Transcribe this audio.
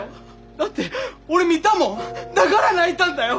だって俺見たもんだから泣いたんだよ！